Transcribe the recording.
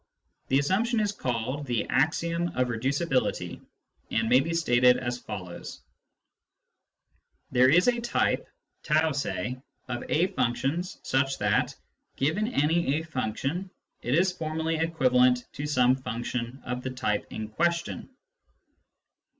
The assumption is called the " axiom of reducibility," and may be stated as follows :—" There is a type (r say) of a functions such that, given any a function, it is formally equivalent to some function of the type in question."